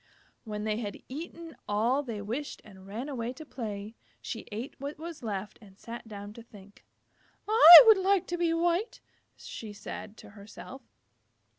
When they had eaten all they wished and ran away to play, she ate what was left and sat down to think. "I would like to be white," she said to herself.